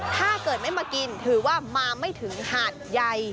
ถ้าเกิดไม่มากินถือว่ามาไม่ถึงหาดใหญ่